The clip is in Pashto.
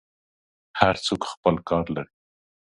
هر څوک خپل کار لري.